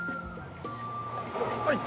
はい